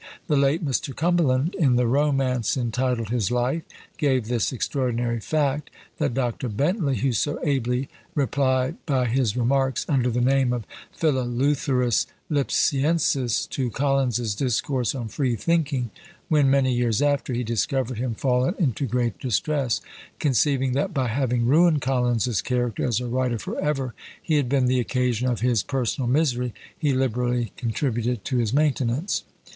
The late Mr. Cumberland, in the romance entitled his "Life," gave this extraordinary fact, that Dr. Bentley, who so ably replied by his "Remarks," under the name of Phileleutherus Lipsiensis, to Collins's "Discourse on Free thinking," when, many years after, he discovered him fallen into great distress, conceiving that by having ruined Collins's character as a writer for ever, he had been the occasion of his personal misery, he liberally contributed to his maintenance.